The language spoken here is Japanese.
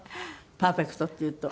パーフェクトっていうと。